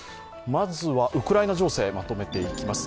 まずはウクライナ情勢、まとめていきます。